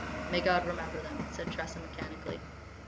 "May God remember them," said Tressa mechanically.